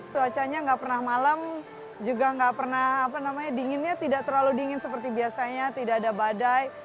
cuacanya nggak pernah malam juga nggak pernah dinginnya tidak terlalu dingin seperti biasanya tidak ada badai